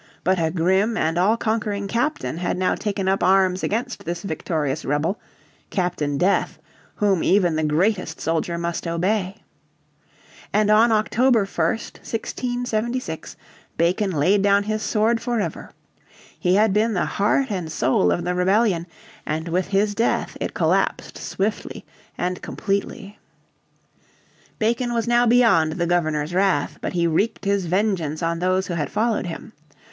But a grim and all conquering captain had now taken up arms against this victorious rebel Captain Death, whom even the greatest soldier must obey. And on October 1st, 1676, Bacon laid down his sword for ever. He had been the heart and soul of the rebellion, and with his death it collapsed swiftly and completely. Bacon was now beyond the Governor's wrath, but he wreaked his vengeance on those who had followed him.